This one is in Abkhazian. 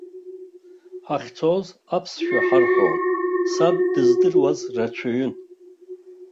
Ҳахьцоз аԥсшәа ҳарҳәон, саб дыздыруаз рацәаҩын.